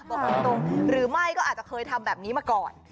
บอกตรงหรือไม่ก็อาจจะเคยทำแบบนี้มาก่อน